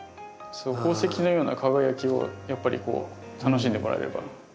宝石のような輝きをやっぱりこう楽しんでもらえれば。